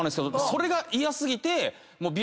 それが嫌過ぎて。